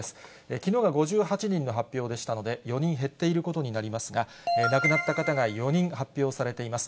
きのうが５８人の発表でしたので、４人減っていることになりますが、亡くなった方が４人発表されています。